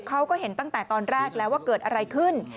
เขาก็เห็นตั้งแต่ตอนแรกแล้วว่าเกิดอะไรขึ้น